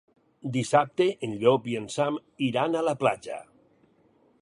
Dissabte en Llop i en Sam iran a la platja.